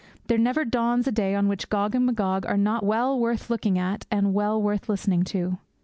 There never dawns a day on which Gog and Magog are not well worth looking at and well worth listening to.